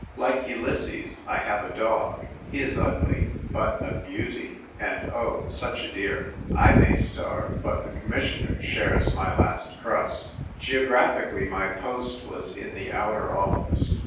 Like Ulys ses, 1 have a dog ; he is ugly, but n; beauty, and, oh, such a dear ! I may starve, but the Commissioner shares my last crust. Geographically, my post was in the Outer Office.